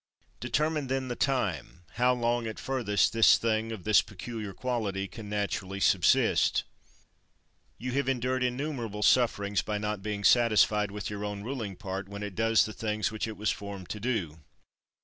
Determine then the time: how long, at furthest, this thing, of this peculiar quality, can naturally subsist. 26. You have endured innumerable sufferings by not being satisfied with your own ruling part when it does the things which it was formed to do.